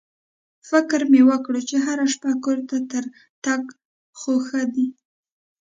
فکر مې وکړ چې هره شپه کور ته تر تګ خو ښه دی.